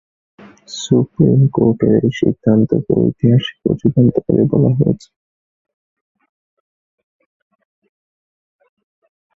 Supreme কোর্টের এই সিদ্ধান্তকে ঐতিহাসিক ও যুগান্তকারী বলা হয়েছে।